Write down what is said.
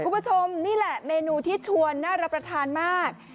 คุณผู้ชมนี่แหละเมนูที่ชวนน่ารับประทานมาก